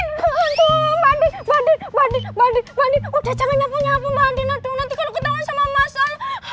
mbak andin mbak andin mbak andin mbak andin udah jangan nyapu nyapu mbak andin aduh nanti kalau ketahuan sama masalah